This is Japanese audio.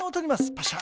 パシャ。